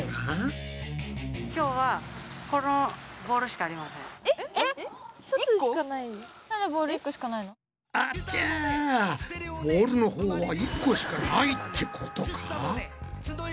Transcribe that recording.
あちゃボウルのほうは１個しかないってことかぁ。